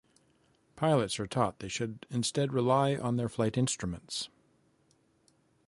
Pilots are taught that they should instead rely on their flight instruments.